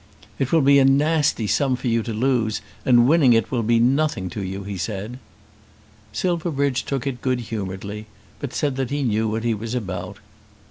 "It will be a nasty sum for you to lose, and winning it will be nothing to you," he said. Silverbridge took it good humouredly, but said that he knew what he was about.